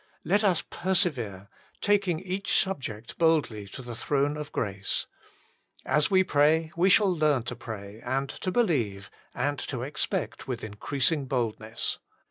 Let us persevere, taking each subject boldly to the throne of grace. As we pray we shall learn to pray, and to believe, and to expect with increasing boldness.